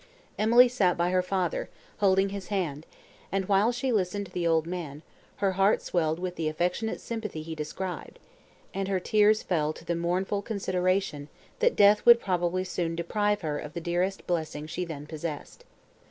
Emily sat by her father, holding his hand, and, while she listened to the old man, her heart swelled with the affectionate sympathy he described, and her tears fell to the mournful consideration, that death would probably soon deprive her of the dearest blessing she then possessed.